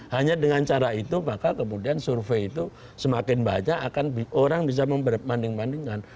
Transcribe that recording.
hanya dengan cara itu maka kemudian survei itu semakin banyak akan orang bisa membanding bandingkan